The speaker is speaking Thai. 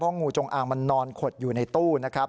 งูจงอางมันนอนขดอยู่ในตู้นะครับ